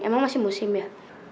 emang masih musim ya